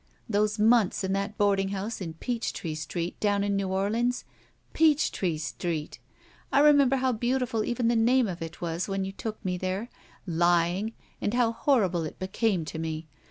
Those months in that boarding house in Peach Tree Street down in New Orleans! Peach Tree Street! I remember how beautiful even the name of it was when you took me there — flying — ^and how horrible it became to me.